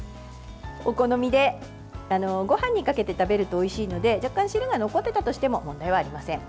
お好みでごはんにかけて食べるとおいしいので若干、汁が残ってたとしても問題はありません。